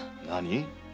何？